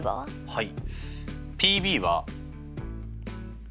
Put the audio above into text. はい。